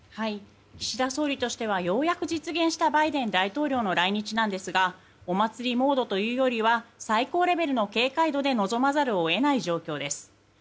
岸田総理としてはようやく実現したバイデン大統領の来日ですがお祭りモードというよりは最高レベルの警戒度で臨まざるを得ない状況です。